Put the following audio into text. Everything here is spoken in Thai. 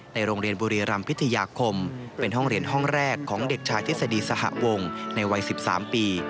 โรงเรียนบุรีรำพิทยาคมเป็นห้องเรียนห้องแรกของเด็กชายทฤษฎีสหวงในวัย๑๓ปี